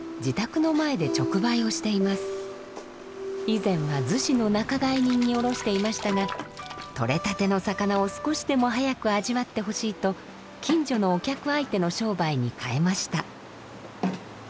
以前は逗子の仲買人に卸していましたがとれたての魚を少しでも早く味わってほしいと近所のお客相手の商売に替えました。